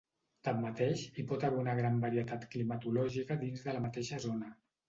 Tanmateix, hi pot haver una gran varietat climatològica dins de la mateixa zona.